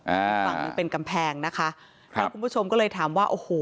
อีกฝั่งหนึ่งเป็นกำแพงนะคะครับแล้วคุณผู้ชมก็เลยถามว่าโอ้โห